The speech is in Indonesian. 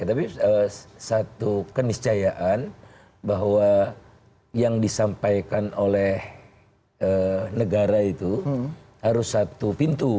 tapi satu keniscayaan bahwa yang disampaikan oleh negara itu harus satu pintu